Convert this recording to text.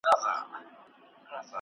ټولنیزې اړیکې باید پیاوړې سي.